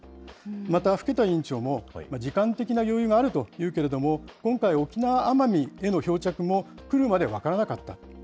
また更田委員長も時間的な余裕があるというけれども、今回、沖縄・奄美への漂着も来るまで分からなかった。